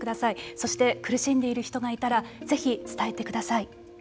そして、苦しんでいる人がいたらぜひ伝えてください。